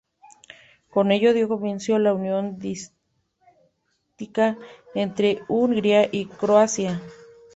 Con ello dio comienzo la unión dinástica entre Hungría y Croacia.